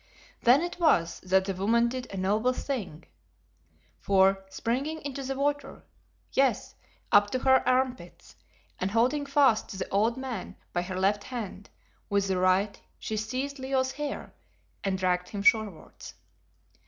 Then it was that the woman did a noble thing, for springing into the water yes, up to her armpits and holding fast to the old man by her left hand, with the right she seized Leo's hair and dragged him shorewards.